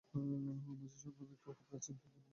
মাজার সংলগ্ন একটি অতি প্রাচীন তিন গম্বুজ মসজিদ রয়েছে।